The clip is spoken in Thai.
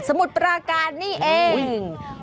มุดปราการนี่เอง